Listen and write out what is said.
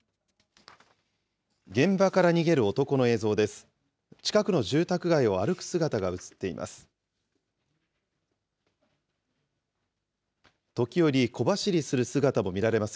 現場から逃げる男の映像です。